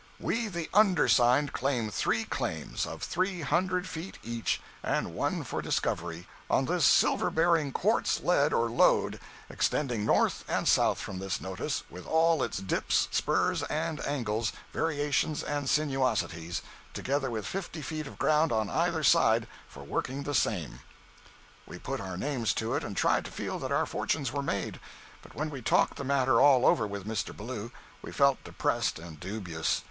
"We the undersigned claim three claims, of three hundred feet each (and one for discovery), on this silver bearing quartz lead or lode, extending north and south from this notice, with all its dips, spurs, and angles, variations and sinuosities, together with fifty feet of ground on either side for working the same." We put our names to it and tried to feel that our fortunes were made. But when we talked the matter all over with Mr. Ballou, we felt depressed and dubious.